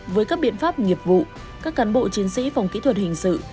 với các biện pháp nghiệp vụ các cán bộ chiến sĩ phòng kỹ thuật hình sự